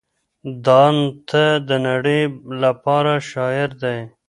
دانته د نړۍ لپاره شاعر دی.